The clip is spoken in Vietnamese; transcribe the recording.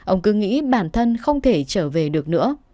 ông cứ nghĩ bản thân không thể trở về được nữa